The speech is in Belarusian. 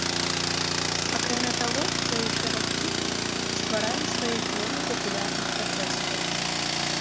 Акрамя таго, целы шэраг фірм стваралі свае клоны папулярных працэсараў.